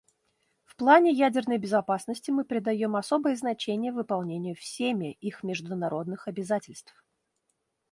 В плане ядерной безопасности мы придаем особое значение выполнению всеми их международных обязательств.